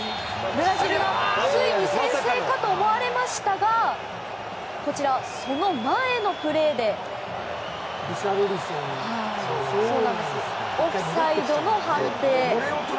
ブラジルがついに先制かと思われましたがその前のプレーでオフサイドの判定。